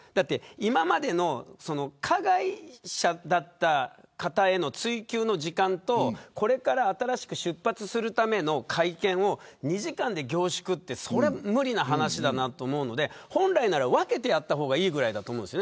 今までの加害者だった方への追求の時間とこれから新しく出発するための会見をそれを２時間で凝縮って無理な話だなと思うので本来なら分けてやった方がいいぐらいだと思うんです。